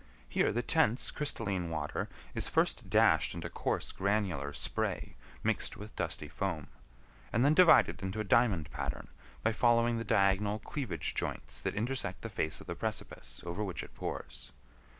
Here the tense, crystalline water is first dashed into coarse, granular spray mixed with dusty foam, and then divided into a diamond pattern by following the diagonal cleavage joints that intersect the face of the precipice over which it pours.